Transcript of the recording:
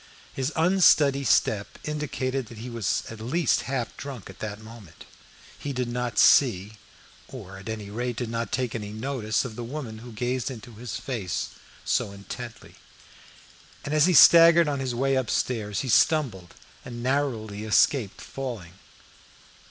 His unsteady step indicated that he was at least half drunk at that moment. He did not see; or at any rate did not take any notice of the woman who gazed into his face so intently. As he staggered on his way upstairs he stumbled and narrowly escaped falling.